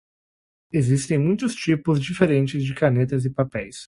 Existem muitos tipos diferentes de canetas e papéis.